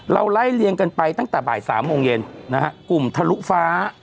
ไล่เลียงกันไปตั้งแต่บ่ายสามโมงเย็นนะฮะกลุ่มทะลุฟ้า